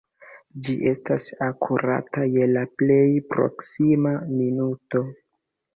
Ĝi estas akurata je la plej proksima minuto.